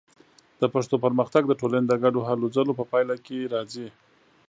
د پښتو پرمختګ د ټولنې د ګډو هلو ځلو په پایله کې راځي.